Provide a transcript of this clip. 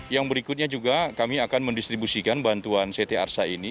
yang berikutnya juga kami akan mendistribusikan bantuan ct arsa ini